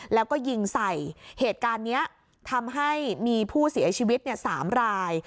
แล้วก็ยิงใส่เหตุการณ์นี้ทำให้มีผู้เสียชีวิต๓ราย